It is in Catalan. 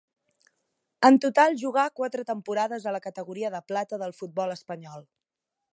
En total jugà quatre temporades a la categoria de plata del futbol espanyol.